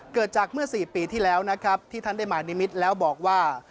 เกิดจากเมื่อ๔ปีที่แล้วนะครับที่ท่านได้มานิมิตรแล้วบอกว่า